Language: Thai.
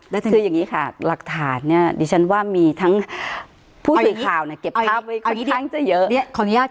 และทีนี้ค่ะหลักฐานดิฉันว่ามีทั้งผู้ถือข่าวเก็บท่าเวย์ค่อนข้างจะเยอะ